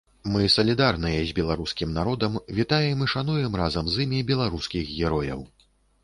Мы салідарныя з беларускім народам, вітаем і шануем разам з імі беларускіх герояў.